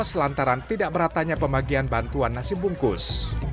selantaran tidak meratanya pembagian bantuan nasi bungkus